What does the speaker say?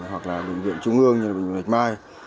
hoặc là bệnh viện trung ương như là bệnh viện lạch mai